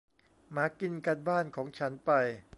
หมากินการบ้านของฉันไป